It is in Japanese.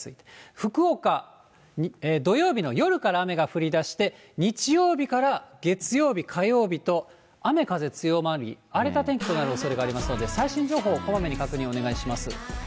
福岡、土曜日の夜から雨が降りだして、日曜日から月曜日、火曜日と、雨風強まり、荒れた天気となるおそれがありますので、最新情報、こまめに確認お願いします。